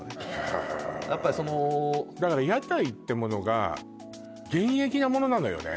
へえだから屋台ってものが現役なものなのよね